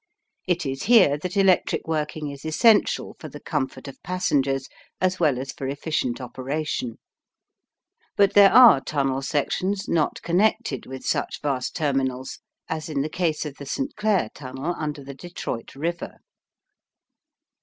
It is here that electric working is essential for the comfort of passengers as well as for efficient operation. But there are tunnel sections not connected with such vast terminals, as in the case of the St. Clair tunnel under the Detroit River.